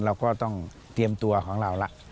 เราก็ต้องเตรียมตัวของเราละ